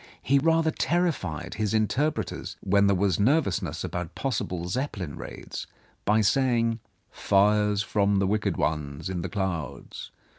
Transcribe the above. He rather terrified his interpreters, when there was nervousness about possible Zeppelin raids, by saving: "Fires from the wicked ones in the clouds.